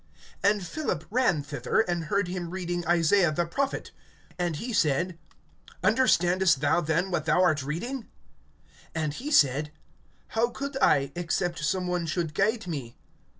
(30)And Philip ran thither, and heard him reading Isaiah the prophet. And he said: Understandest thou then what thou art reading? (31)And he said: How could I, except some one should guide me?